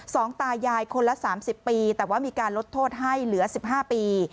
สองตายายคนละ๓๐ปีแต่มีการลดโทษให้เหลือ๑๕ปี